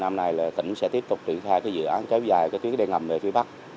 năm nay là tỉnh sẽ tiếp tục triển khai cái dự án kéo dài cái tuyến đê ngầm này phía bắc